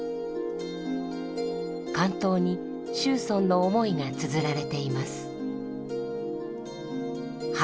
巻頭に楸邨の思いがつづられています。